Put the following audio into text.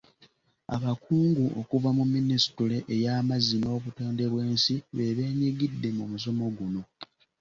Abakungu okuva mu minisitule ey’amazzi n’Obutonde bw’ensi be beenyigidde mu musomo guno.